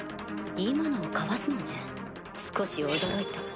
今のをかわすのね少し驚いた。